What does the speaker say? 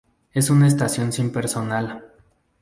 Es una estación sin personal.